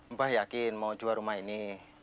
mbah yakin mau jual rumah ini